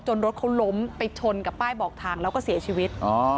รถเขาล้มไปชนกับป้ายบอกทางแล้วก็เสียชีวิต